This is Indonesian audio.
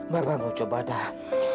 mak mak mau coba dah